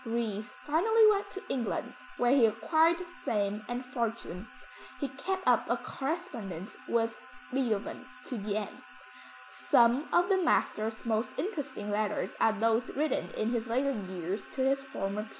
Ries finally went to England where he acquired fame and fortune. He kept up a correspondence with Beethoven to the end; some of the master's most interesting letters are those written in his later years to his former pupil.